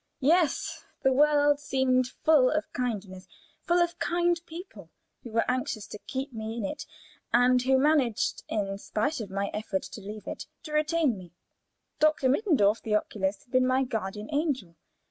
Yes, the world seemed full of kindness, full of kind people who were anxious to keep me in it, and who managed, in spite of my effort to leave it, to retain me. Dr. Mittendorf, the oculist, had been my guardian angel.